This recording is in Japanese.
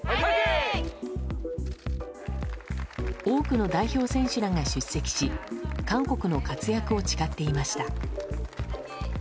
多くの代表選手らが出席し韓国の活躍を誓っていました。